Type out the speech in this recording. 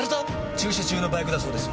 駐車中のバイクだそうです。